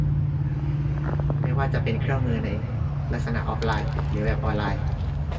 ไม่ว่าจะเป็นเครื่องมือในลักษณะออฟไลน์ หรือแบบออนไลน์